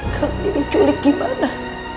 kalau dia diculik gimana